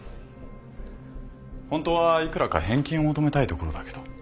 ホントは幾らか返金を求めたいところだけど。